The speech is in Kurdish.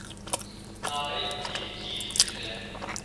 navê yê dîtiyî dibêje.